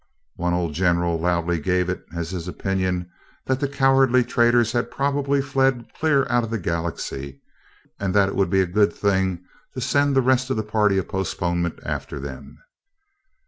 One old general loudly gave it as his opinion that the cowardly traitors had probably fled clear out of the Galaxy, and that it would be a good thing to send the rest of the Party of Postponement after them.